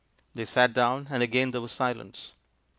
They sat down, and again there was silence.